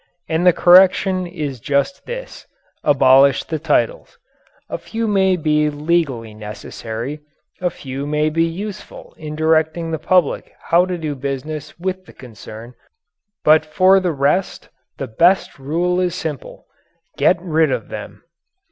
And the correction is just this abolish the titles. A few may be legally necessary; a few may be useful in directing the public how to do business with the concern, but for the rest the best rule is simple: "Get rid of them."